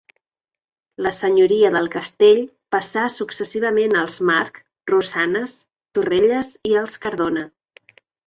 La senyoria del castell passar successivament als Marc, Rosanes, Torrelles i als Cardona.